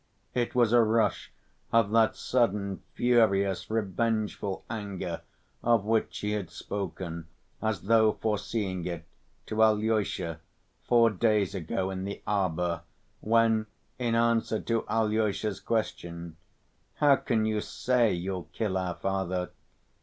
It was a rush of that sudden, furious, revengeful anger of which he had spoken, as though foreseeing it, to Alyosha, four days ago in the arbor, when, in answer to Alyosha's question, "How can you say you'll kill our father?"